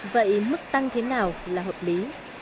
vậy mức tăng thế nào là hợp lý